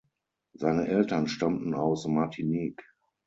Seine Eltern stammten aus Martinique.